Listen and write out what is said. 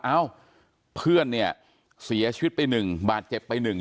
เอ้าเพื่อนเนี่ยเสียชีวิตไป๑บาทเจ็บไปหนึ่ง